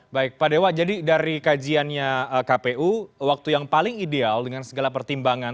baik pak dewa jadi dari kajiannya kpu waktu yang paling ideal dengan segala pertimbangan